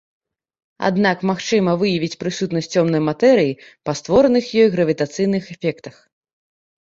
Аднак магчыма выявіць прысутнасць цёмнай матэрыі па створаных ёю гравітацыйных эфектах.